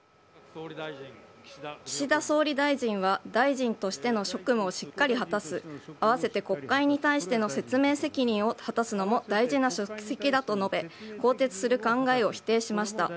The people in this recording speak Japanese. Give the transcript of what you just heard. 岸田総理大臣は、大臣としての職務をしっかり果たす、あわせて国会に対しての説明責任を果たすのも大事な職責だと述べ、更迭する考えを否定しました。